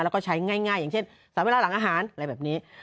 แล้วก็ใช้ง่ายอย่างเช่นสารเวลาหลังอาหารอะไรแบบนี้